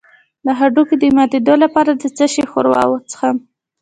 د هډوکو د ماتیدو لپاره د څه شي ښوروا وڅښم؟